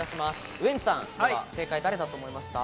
ウエンツさん、正解は誰だと思いましたか？